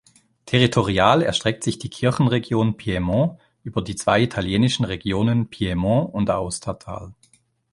Territorial erstreckt sich die Kirchenregion Piemont über die zwei italienischen Regionen Piemont und Aostatal.